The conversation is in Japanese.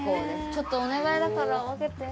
ちょっとお願いだから分けて。